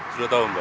sudah tahu mbak